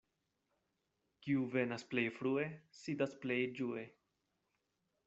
Kiu venas plej frue, sidas plej ĝue.